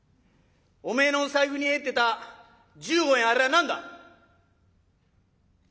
おめえの財布に入ってた１５円あれは何だ！」。